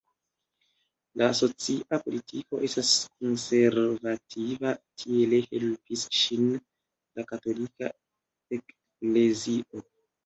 La socia politiko estas konservativa, tiele helpis ŝin la Katolika eklezio.